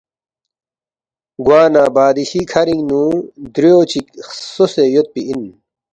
گوانہ بادشی کَھرِنگ نُو دریُو چِک خسوسے یودپی اِن